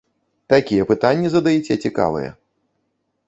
Такія пытанні задаеце цікавыя!